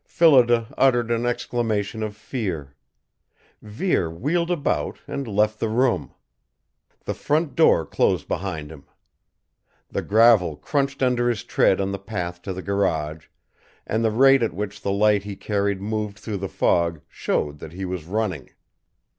Phillida uttered an exclamation of fear. Vere wheeled about and left the room. The front door closed behind him. The gravel crunched under his tread on the path to the garage, and the rate at which the light he carried moved through the fog showed that he was running.